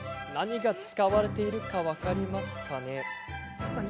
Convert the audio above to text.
何が使われているか分かりますか？